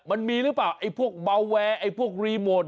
มันมีหรือเปล่าไอ้พวกเบาแวร์ไอ้พวกรีโมท